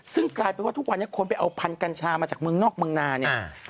ซึ่งกลายเป็นว่าทุกวันนี้คนไปเอาพันธุ์กัญชามาจากเมืองนอกเมืองนาเนี่ย